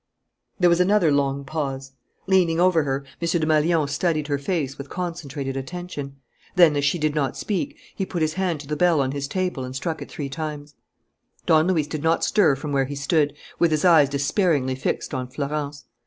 There was another long pause. Leaning over her, M. Desmalions studied her face with concentrated attention. Then, as she did not speak, he put his hand to the bell on his table and struck it three times. Don Luis did not stir from where he stood, with his eyes despairingly fixed on Florence.